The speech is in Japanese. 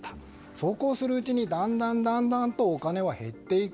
そうこうするうちにだんだんとお金は減っていく。